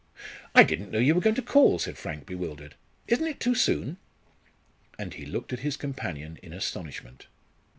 "I didn't know you were going to call," said Frank, bewildered. "Isn't it too soon?" And he looked at his companion in astonishment.